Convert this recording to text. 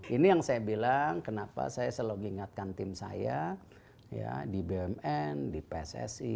ini yang saya bilang kenapa saya selalu mengingatkan tim saya di bumn di pssi